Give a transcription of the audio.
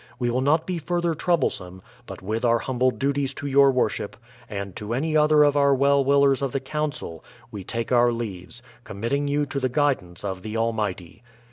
We will not be further troublesome, but with our humble duties to your Worship, and to any other of our well willers of the Council, we take oui; leaves, committing you to the guidance of the Almighty.